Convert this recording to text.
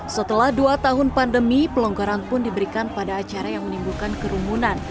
setelah dua tahun pandemi pelonggaran pun diberikan pada acara yang menimbulkan kerumunan